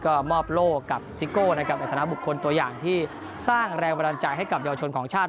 ก็มอบโลกกับซิโก้นะครับในฐานะบุคคลตัวอย่างที่สร้างแรงบันดาลใจให้กับเยาวชนของชาติ